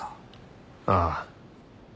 ああ。